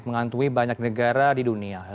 mengantui banyak negara di dunia